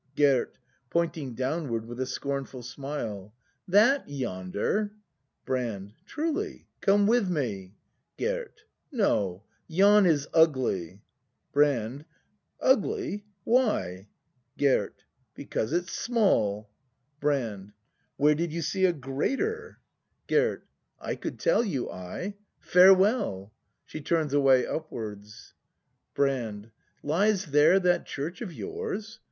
Gerd. [Pointing downward tvith a scornful smile.] That yonder ? Brand. Truly; come with me. Gerd. No; yon is ugly. Brand. Ugly ? Why ? Gerd. Because it's small. Brand. Where did you see A greater ? 52 BRAND [act i Gerd. I could tell you, I. Farewell. [She turns away upwards. Brand. Lies there that church of yours ?